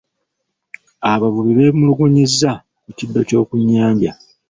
Abavubi beemulugunyizza ku kiddo ky'oku nnyanja.